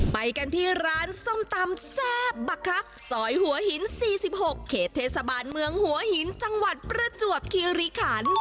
ไปกันที่ร้านส้มตำแซ่บบะคักซอยหัวหิน๔๖เขตเทศบาลเมืองหัวหินจังหวัดประจวบคิริขัน